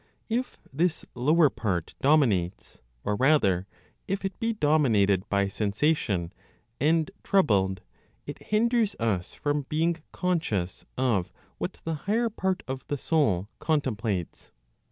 If this lower part dominates, or rather, if it be dominated (by sensation) and troubled, it hinders us from being conscious of what the higher part of the soul contemplates.